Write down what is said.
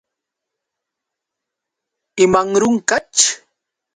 ¿Imanrunqaćh?